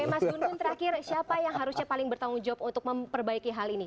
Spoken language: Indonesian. oke mas gunun terakhir siapa yang harusnya paling bertanggung jawab untuk memperbaiki hal ini